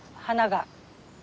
花が。